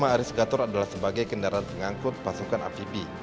lima aris gator adalah sebagai kendaraan pengangkut pasukan amfibi